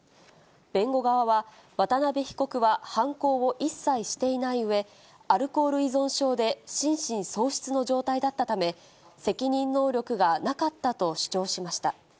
弁護側は、渡部被告は、犯行を一切していないうえ、アルコール依存症で心神喪失の状態だったため、責任能力がなかったと主張しました。